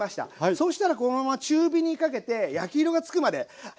そしたらこのまま中火にかけて焼き色がつくまで触らないでね